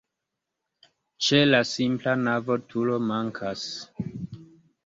Ĉe la simpla navo turo mankas.